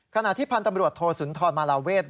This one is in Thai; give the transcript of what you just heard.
ขณะที่พันธ์ตำรวจโทสุนทรมาลาเวศ